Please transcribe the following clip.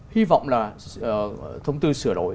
hy vọng là thông tư sửa đổi